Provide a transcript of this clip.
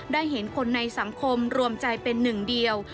ได้เห็นคนในสังคมรวมใจเป็นหนึ่งเดียว